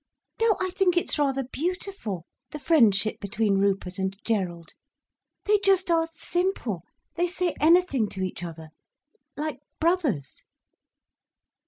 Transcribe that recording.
No, I think it's rather beautiful, the friendship between Rupert and Gerald. They just are simple—they say anything to each other, like brothers."